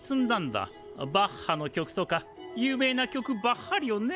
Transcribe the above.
バッハの曲とか有名な曲ばっはりをね。